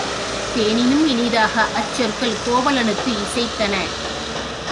தேனினும் இனிதாக அச்சொற்கள் கோவலனுக்கு இசைத்தன.